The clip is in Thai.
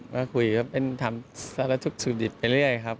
ว่าคุยก็เป็นทำซะละทุกสุดิบไปเรื่อยครับ